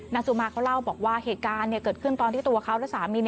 สุมาเขาเล่าบอกว่าเหตุการณ์เกิดขึ้นตอนที่ตัวเขาและสามี